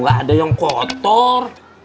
gak ada yang kotor